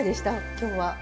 今日は。